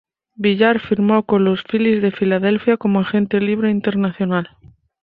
Villar firmó con los Filis de Filadelfia como agente libre internacional.